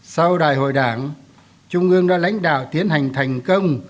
sau đại hội đảng trung ương đã lãnh đạo tiến hành thành công